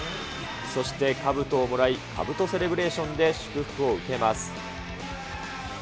そしてかぶとをもらい、かぶとセレブレーションで祝福を受けます。